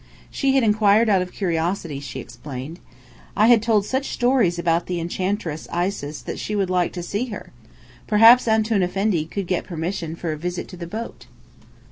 She had inquired out of curiosity, she explained. I had told such stories about the Enchantress Isis that she would like to see her. Perhaps Antoun Effendi could get permission for a visit to the boat.